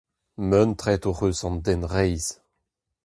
Muntret hoc’h eus an den reizh.